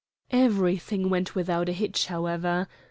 Everything went without a hitch, however.